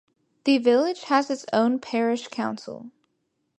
The village has its own Parish Council.